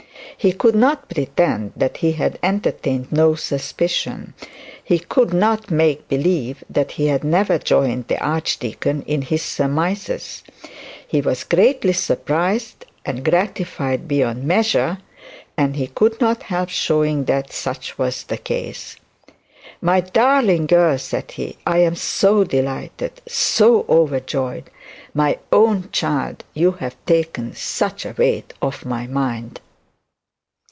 He could not pretend that he had entertained no suspicion; he could not make believe that he had never joined the archdeacon in his surmises. He was greatly surprised, and gratified beyond measure, and he could not help showing that such was the case. 'My darling girl,' said he, 'I am so delighted, so overjoyed. My own child; you have taken such a weight off my mind.'